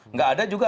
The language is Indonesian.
nggak ada juga